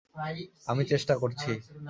আমি চেষ্টা করছি।